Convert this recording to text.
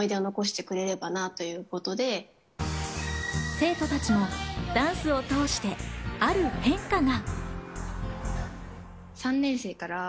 生徒たちもダンスを通してある変化が。